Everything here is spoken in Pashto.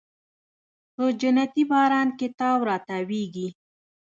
په جنتي باران کې تاو راتاویږې